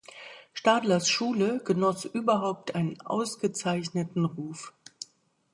Stadlers Schule genoss überhaupt einen ausgezeichneten Ruf.